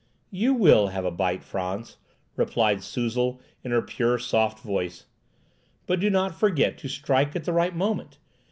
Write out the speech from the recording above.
"You will have a bite, Frantz," replied Suzel, in her pure, soft voice. "But do not forget to strike at the right moment.